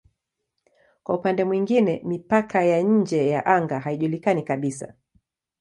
Kwa upande mwingine mipaka ya nje ya anga haijulikani kabisa.